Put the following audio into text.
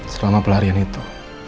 selama pelarian itu